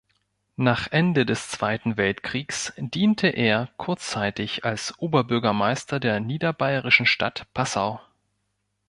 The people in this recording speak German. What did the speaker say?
Nach Ende des Zweiten Weltkriegs diente er kurzzeitig als Oberbürgermeister der niederbayerischen Stadt Passau.